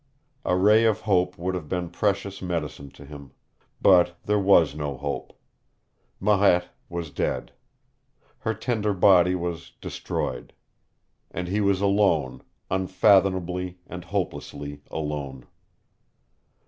A ray of hope would have been precious medicine to him. But there was no hope. Marette was dead. Her tender body was destroyed. And he was alone, unfathomably and hopelessly alone.